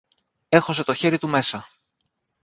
έχωσε το χέρι του μέσα